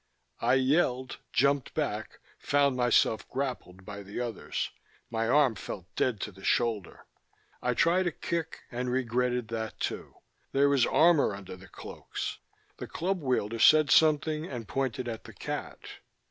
I yelled, jumped back, found myself grappled by the others. My arm felt dead to the shoulder. I tried a kick and regretted that too; there was armor under the cloaks. The club wielder said something and pointed at the cat....